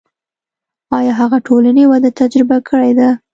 آیا هغه ټولنې وده تجربه کړې ده.